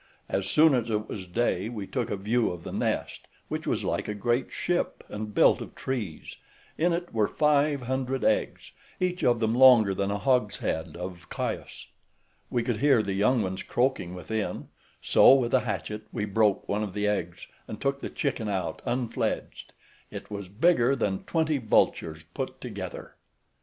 As soon as it was day we took a view of the nest, which was like a great ship, and built of trees; in it were five hundred eggs, each of them longer than a hogshead of Chios. We could hear the young ones croaking within; so, with a hatchet we broke one of the eggs, and took the chicken out unfledged; it was bigger than twenty vultures put together.